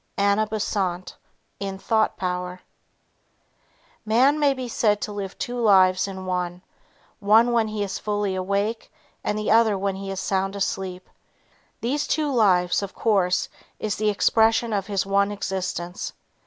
Anna Besant in Thought Power Man may be said to live two lives in one, one when he is fully awake and the other when he is sound asleep. These two lives, of course, is the expression of his one existence.